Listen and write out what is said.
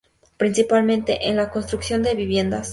Principalmente en la construcción de viviendas.